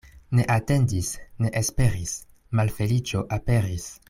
Ne atendis, ne esperis — malfeliĉo aperis.